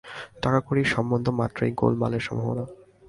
টাকা-কড়ির সম্বন্ধ মাত্রেই গোলমালের সম্ভাবনা।